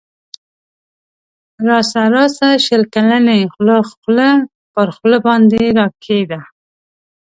راسه راسه شل کلنی خوله خوله پر خوله باندی راکښېږده